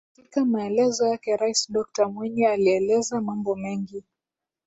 Katika maelezo yake Rais Dokta Mwinyi alieleza mambo mengi